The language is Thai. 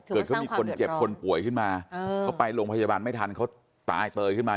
เกิดเขามีคนเจ็บคนป่วยขึ้นมาเขาไปโรงพยาบาลไม่ทันเขาตายเตยขึ้นมา